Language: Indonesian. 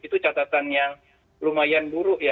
itu catatan yang lumayan buruk ya